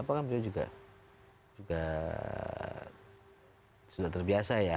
apa kan beliau juga juga sudah terbiasa ya